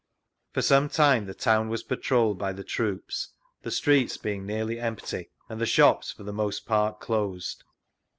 For some time the town was patrolled by the troops, the streets being nearly empty, and the shops for the most part closed.